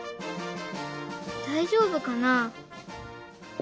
大丈夫かな？